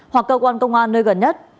hoặc cơ quan công an nơi gần nhất